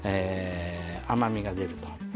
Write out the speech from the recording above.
甘みが出ると。